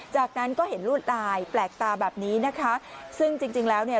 จากนั้นก็เห็นลวดลายแปลกตาแบบนี้นะคะซึ่งจริงจริงแล้วเนี่ย